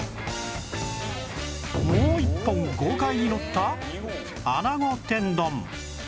もう一本豪快にのった穴子天丼